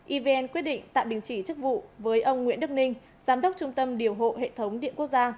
evn quyết định tạm đình chỉ chức vụ với ông nguyễn đức ninh giám đốc trung tâm điều hộ hệ thống điện quốc gia